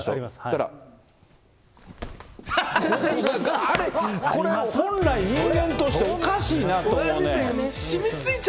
こう、これ、本来、人間としておかしいなと思う。